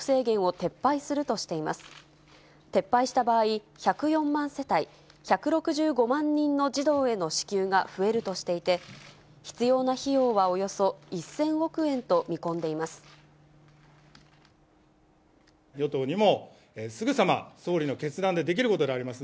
撤廃した場合、１０４万世帯１６５万人の児童への支給が増えるとしていて、必要な費用はおよそ１０００億円と見込んでいます。